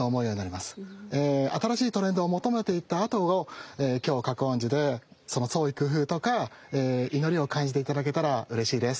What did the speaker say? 新しいトレンドを求めていったあとを今日覚園寺でその創意工夫とか祈りを感じて頂けたらうれしいです。